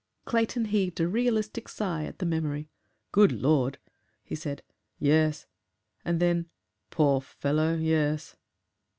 Clayton heaved a realistic sigh at the memory. "Good Lord!" he said; "yes." And then, "Poor fellow! yes."